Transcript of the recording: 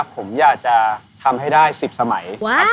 คือผมตั้งไว้ว่าผมอยากจะทำให้ได้๑๐สมัย